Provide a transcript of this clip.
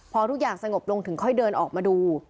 พอทุกอย่างสงบลงถึงค่อยเดินออกมาดู